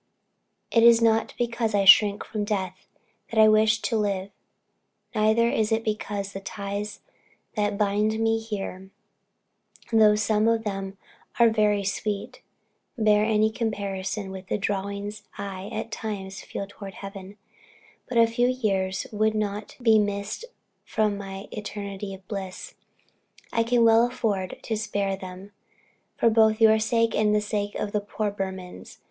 It is not because I shrink from death, that I wish to live; neither is it because the ties that bind me here though some of them are very sweet, bear any comparison with the drawings I at times feel towards heaven; but a few years would not be missed from my eternity of bliss, and I can well afford to spare them, both for your sake and for the sake of the poor Burmans.